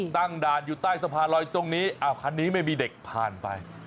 ตั้งด่านอยู่ใต้สะพานลอยตรงนี้คันนี้ไม่มีเด็กผ่านไป